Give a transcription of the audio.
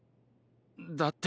だって。